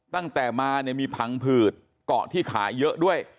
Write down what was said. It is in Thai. ตั้งแต่มาเนี่ยมีพังผืดเกาะที่ขาเยอะด้วย